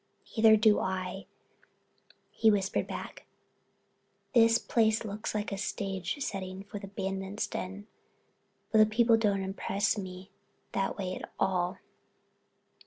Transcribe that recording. "Neither do I," he whispered back. "The place looks like a stage setting for The Bandits' Den, but the people don't impress me that way at all."